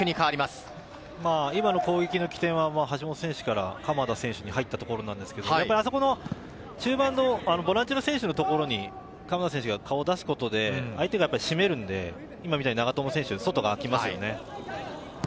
今の攻撃の起点、橋本選手から鎌田選手に入ったところなんですけど、中盤のボランチの選手のところに鎌田選手が顔を出すことで相手が閉めるんで、今みたいに長友選手、外が空きますよね。